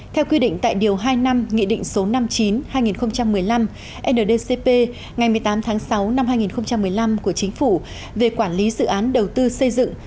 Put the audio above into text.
theo quy định tại điều hai năm nghị định số năm mươi chín hai nghìn một mươi năm ndcp ngày một mươi tám tháng sáu năm hai nghìn một mươi năm của chính phủ về quản lý dự án đầu tư xây dựng